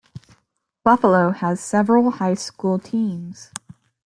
Buffalo has several high school teams.